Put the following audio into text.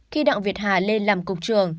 khi đặng việt hà lên làm cục trưởng